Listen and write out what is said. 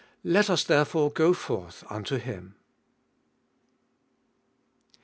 Let us therefore go forth unto Him.